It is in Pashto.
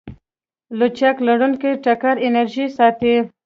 لچک لرونکی ټکر انرژي ساتي.